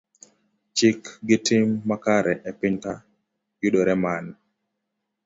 Chik gi tim makare e piny ka, yudore man